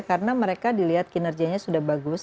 karena mereka dilihat kinerjanya sudah bagus